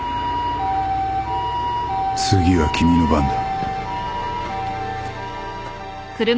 次は君の番だ。